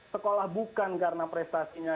sekolah bukan karena prestasinya